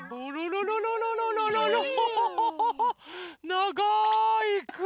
ながいくび！